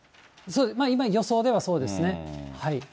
今、予想ではそうですね。